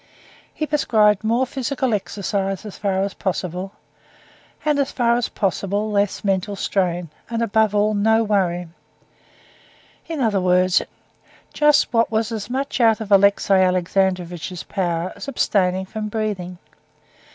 He prescribed more physical exercise as far as possible, and as far as possible less mental strain, and above all no worry—in other words, just what was as much out of Alexey Alexandrovitch's power as abstaining from breathing.